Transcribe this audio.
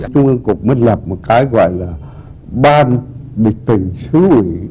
trung ương cục mới lập một cái gọi là ban bịch tử xứ ủy